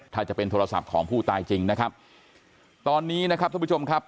ถ้าจะเป็นโทรศัพท์ของผู้ตายจริงนะครับตอนนี้นะครับท่านผู้ชมครับ